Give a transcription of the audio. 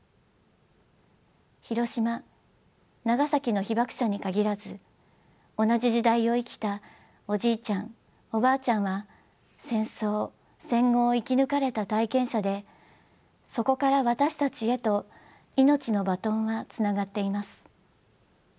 広島・長崎の被爆者に限らず同じ時代を生きたおじいちゃんおばあちゃんは戦争戦後を生き抜かれた体験者でそこから私たちへと命のバトンはつながっています。